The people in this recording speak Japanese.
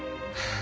「あ！」